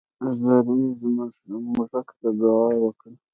زمري موږک ته دعا وکړه.